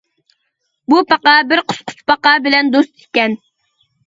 بۇ پاقا بىر قىسقۇچپاقا بىلەن دوست ئىكەن.